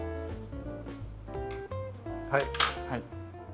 はい。